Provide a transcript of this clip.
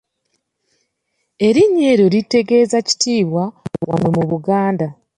Erinnya eryo litegeeza kitiibwa wano mu Buganda.